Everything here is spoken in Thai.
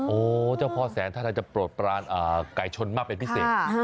โอ้โหเจ้าพ่อแสนท่านอาจจะโปรดปรานไก่ชนมากเป็นพิเศษ